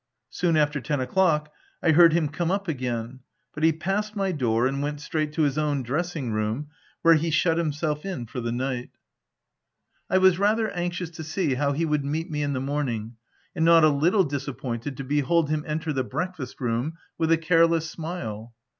Soon after ten o'clock, I heard him come up again ; but he passed my door and went straight to his own dressing room, where he shut him self in for the night. OF WILDFELL HALL. 85 I was rather anxious to see how he would meet me in the morning, and not a little dis appointed to behold him enter the breakfast room with a careless smile.